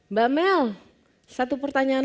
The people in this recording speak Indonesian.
mbak mel satu pertanyaan